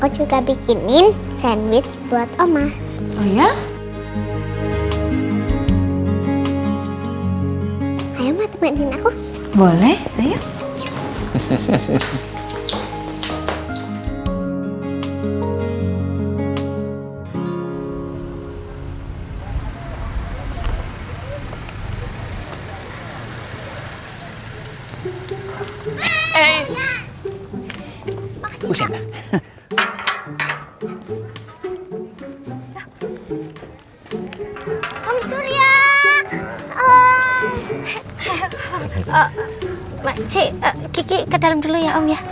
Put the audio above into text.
sampai jumpa di video selanjutnya